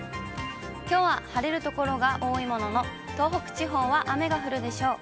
きょうは晴れる所が多いものの、東北地方は雨が降るでしょう。